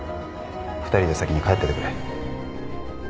２人で先に帰っててくれ